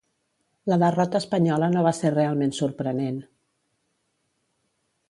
La derrota espanyola no va ser realment sorprenent.